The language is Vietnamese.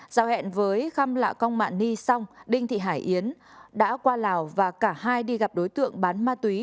giao hẹn với khăm lạ công mạ ni xong đinh thị hải yến đã qua lào và cả hai đi gặp đối tượng bán ma túy